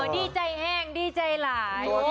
ดีใจแห้งดีใจหลาย